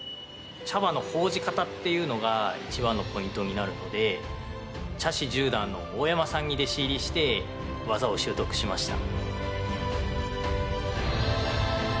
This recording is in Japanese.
茶葉のほうじ方というのが一番のポイントになるので茶師十段の大山さんに弟子入りして技を習得しました。